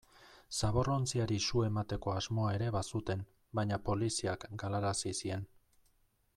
Zaborrontziari su emateko asmoa ere bazuten, baina poliziak galarazi zien.